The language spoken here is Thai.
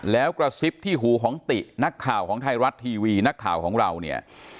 แล้วกระซิบที่หูของตินักข่าวของไทยรัฐทีวีนักข่าวของเราเนี่ย